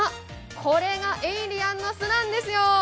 これがエイリアンの巣なんですよ。